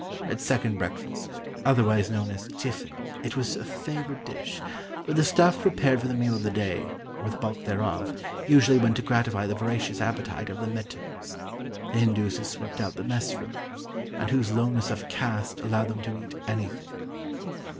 At second breakfast otherwise known as "tiffin" it was a favoured dish; but the stuff prepared for the meal of the day or the bulk thereof usually went to gratify the voracious appetite of the "mehters," the Hindus who swept out the mess rooms, and whose lowness of "caste" allowed them to eat "anything."